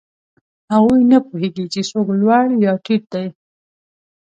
هغوی نه پوهېږي، چې څوک لوړ یا ټیټ دی.